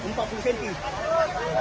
berapa cm pak dalam rumah